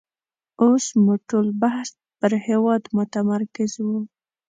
اوس مو ټول بحث پر هېواد متمرکز وو.